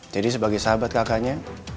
jadi sebagai sahabat kakaknya